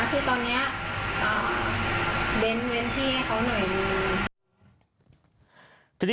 แต่นักธุรกิจตอนนี้เด้นเว้นที่ให้เขาหน่วย